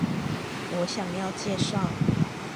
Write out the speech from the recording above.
我想要介紹